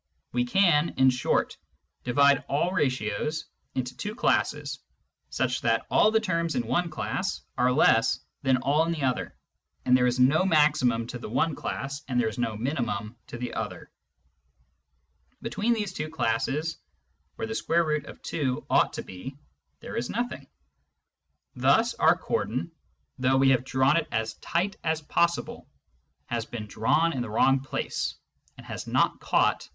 We can, in short, divide all ratios into two classes such that all the terms in one class are less than all in the other, there is no maximum to the one class, and there is no minimum to the other. Between these two classes, where Vz ought to be, there is nothing. Thus our Rational, Real, and Complex Numbers 69 cordon, though we have drawn it as tight as possible, has been drawn in the wrong place, and has not caught V2.